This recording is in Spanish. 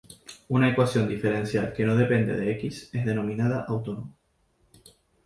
Una ecuación diferencial que no depende de "x" es denominada autónoma.